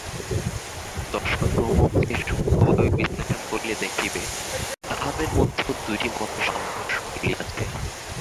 দর্শনসমূহকে সূক্ষ্মভাবে বিশ্লেষণ করিলে দেখিবে, তাহাদের মধ্যেও এই দুইটি মতের সংঘর্ষ চলিয়াছে।